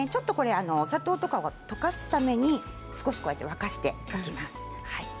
お砂糖とか溶かすために少し沸かしていきます。